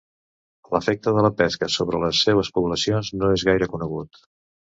L'efecte de la pesca sobre les seues poblacions no és gaire conegut.